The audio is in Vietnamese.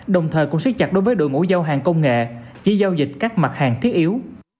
đồng thời cũng siết chặt đối với đội ngũ giao hàng công nghệ chỉ giao dịch các mặt hàng thiết yếu